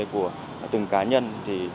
của từng cá nhân thì